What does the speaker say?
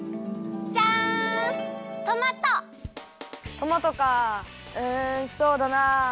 トマトかうんそうだなあ。